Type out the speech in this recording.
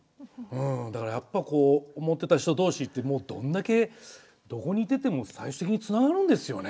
だからやっぱこう思ってた人同士ってどんだけどこにいてても最終的につながるんですよね。